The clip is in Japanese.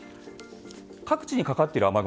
各地にかかっている雨雲